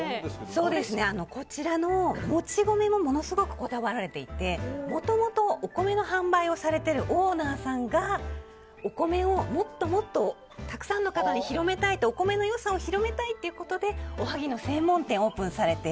そうですね、こちら、もち米もものすごくこだわられていてもともと、お米の販売をされているオーナーさんがお米をもっともっとたくさんの方にお米の良さを広めたいということでおはぎの専門店をオープンされて。